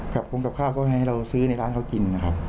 กลับค้องกลับข้าวก็ให้ซื้อในร้านเขากิน